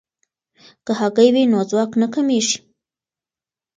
که هګۍ وي نو ځواک نه کمیږي.